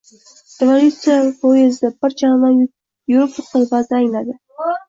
«Revolyutsiya poyezdi» bir chandon yurib to‘xtadi va zangladi